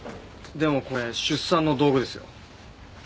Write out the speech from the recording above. でもこれ出産の道具ですよ。